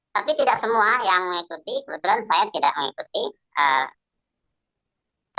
tapi tidak semua yang mengikuti kebetulan saya tidak mengikuti